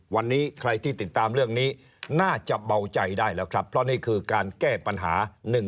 วันนี้ใครที่ติดตามเรื่องนี้น่าจะเบาใจได้แล้วครับเพราะนี่คือการแก้ปัญหา